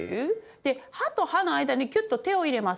で歯と歯の間にキュッと手を入れます。